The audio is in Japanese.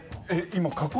今。